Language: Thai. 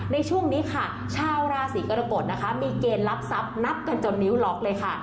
ในช่วงนี้ค่ะชาวราศีกรกฎนะคะมีเกณฑ์รับทรัพย์นับกันจนนิ้วล็อกเลยค่ะ